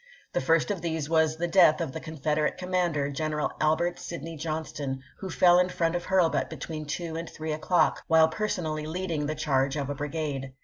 The first of these was the death of the Confederate commander, G eneral Albert Sidney Johnston, who fell in front Api. c, 1862. of Hurlbut between two and three o'clock, while personally leading the charge of a brigade.